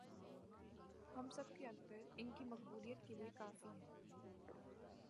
ہم سب کے اندر ان کی مقبولیت کے لئے کافی ہیں